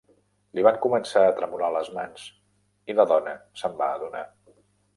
Li van començar a tremolar les mans i la dona se'n va adonar.